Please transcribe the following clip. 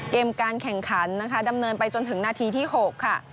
เกมการแข่งขันนะคะดำเนินไปจนถึงนาทีที่๖ค่ะ